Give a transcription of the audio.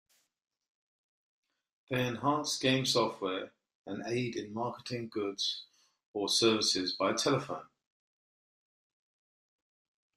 They enhance game software and aid in marketing goods or services by telephone.